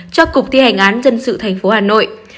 cho cục thi hành án dân sự thành phố hà nội